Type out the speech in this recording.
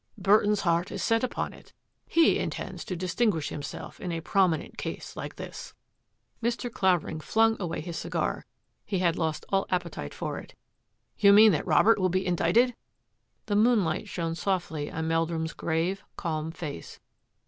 Burton's heart is set upon it. He intends to distinguish himself in a prominent case like this." 168 THAT AFFAIR AT THE MANOR Mr. Clavering flung away his cigar. He had lost all appetite for It. " You mean that Robert will be Indicted? " The moonlight shone softly on Meldrum's grave, calm face.